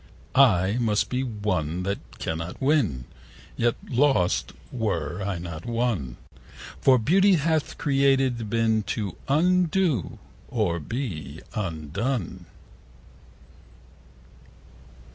I must be won, that cannot win, Yet lost were I not won; 70 For beauty hath created been T' undo, or be undone.